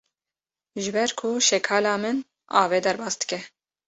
Ji ber ku şekala min avê derbas dike.